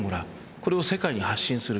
これを世界に発信する。